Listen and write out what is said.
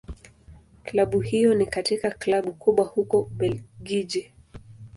Klabu hiyo ni katika Klabu kubwa huko Ubelgiji.